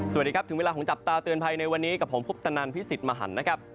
สวัสดีครับถึงเวลาของจับตาเตือนภัยในวันนี้กับผมคุปตนันพิสิทธิ์มหันนะครับ